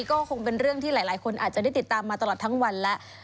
ก็คงเป็นเรื่องที่หลายคนอาจจะได้ติดตามมาตลอดทั้งวันแล้ว